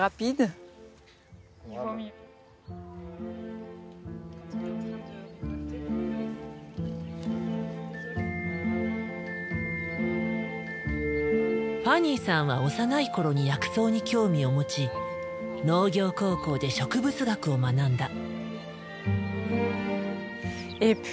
ファニーさんは幼い頃に薬草に興味を持ち農業高校で植物学を学んだ。